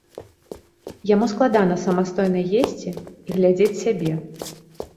Яму складана самастойна есці і глядзець сябе.